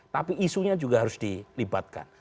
tapi isunya juga harus dilibatkan